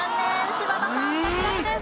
柴田さん脱落です。